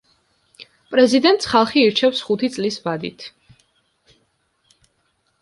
პრეზიდენტს ხალხი ირჩევს ხუთი წლის ვადით.